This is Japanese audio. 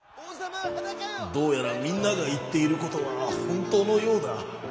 「どうやらみんながいっていることはほんとうのようだ。